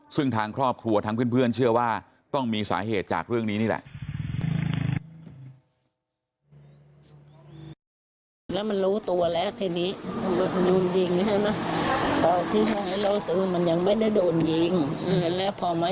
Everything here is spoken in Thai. ซึ่งทางครอบครัวทางเพื่อนเชื่อว่าต้องมีสาเหตุจากเรื่องนี้นี่แหละ